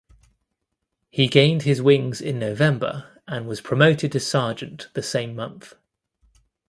He gained his wings in November and was promoted to sergeant the same month.